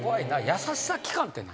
「優しさ期間」って何？